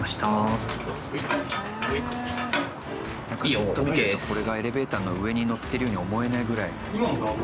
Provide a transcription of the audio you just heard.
ずっと見てるとこれがエレベーターの上に乗ってるように思えないぐらい。